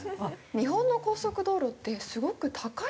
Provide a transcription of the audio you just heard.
日本の高速道路ってすごく高いですよね。